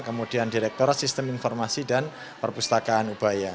kemudian direktorat sistem informasi dan perpustakaan ubaya